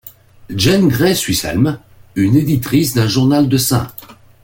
Jane Grey Swisshelm, une éditrice d'un journal de St.